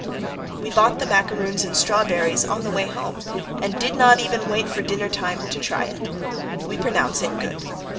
We bought the macaroons and strawberries on the way home and did not even wait for dinner time to try it. We pronounce it good.